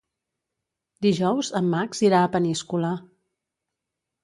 Dijous en Max irà a Peníscola.